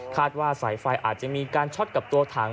ว่าสายไฟอาจจะมีการช็อตกับตัวถัง